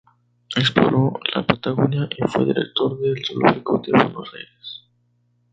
Exploró la patagonia y fue director del zoológico de Buenos Aires.